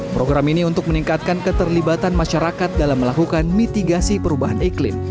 program ini untuk meningkatkan keterlibatan masyarakat dalam melakukan mitigasi perubahan iklim